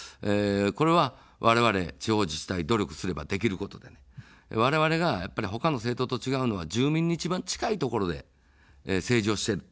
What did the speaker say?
これはわれわれ地方自治体、努力すればできることで、われわれがほかの政党と違うのは住民に一番近いところで政治をしている。